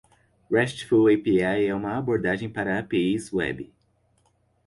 RESTful API é uma abordagem para APIs web.